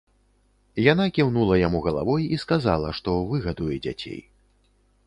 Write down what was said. Яна кіўнула яму галавой і сказала, што выгадуе дзяцей.